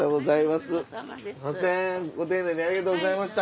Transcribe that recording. すみませんご丁寧にありがとうございました。